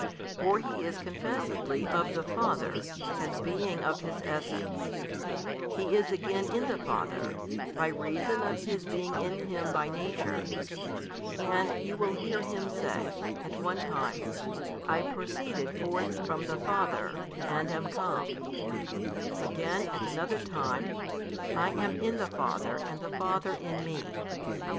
For He is confessedly of the Father, as being of His Essence; He is again in the Father, by reason of His being in Him by Nature; and you will hear Him say, at one time, I proceeded forth from the Father, and am come, again at another time, I am in the Father and the Father in Me.